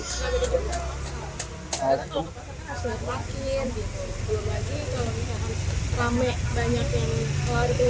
kalau di pasar kan harus beli terakhir gitu belum lagi kalau di pasar